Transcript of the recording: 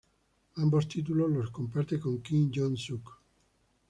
Ambos títulos los comparte con Kim Jong-suk.